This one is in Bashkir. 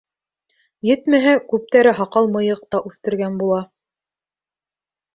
Етмәһә, күптәре һаҡал-мыйыҡ та үҫтергән була.